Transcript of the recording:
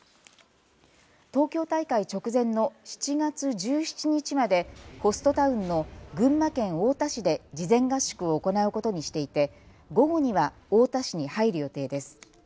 東京大会直前の７月１７日までホストタウンの群馬県太田市で事前合宿を行うことにしていて午後には太田市に入る予定です。